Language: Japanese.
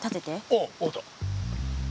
ああ分かった。